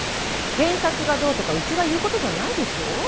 検察がどうとかうちが言うことじゃないでしょう。